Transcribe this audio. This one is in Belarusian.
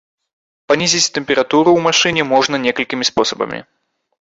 Панізіць тэмпературу ў машыне можна некалькімі спосабамі.